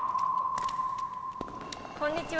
こんにちは！